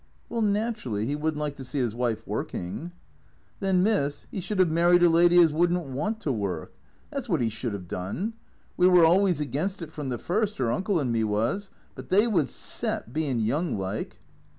" Well, naturally, he would n't like to see his wife working." " Then, miss, 'E should 'ave married a lady 'as would n't want to work. That 's wot 'E should have done. "We were always against it from the first, 'er uncle and me was. But they was set, bein' young like."